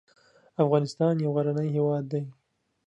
افغانستان یو غرنی هیواد دی